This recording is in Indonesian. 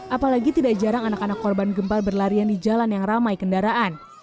apalagi tidak jarang anak anak korban gempa berlarian di jalan yang ramai kendaraan